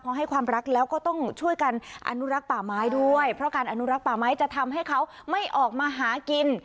เพราะให้ความรักแล้วก็ต้องช่วยกันอนุรักษ์ป่าไม้ด้วยเพราะการอนุรักษ์ป่าไม้จะทำให้เขาไม่ออกมาหากิน